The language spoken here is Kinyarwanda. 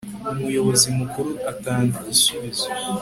umuyobozi mukuru atanga igisubizo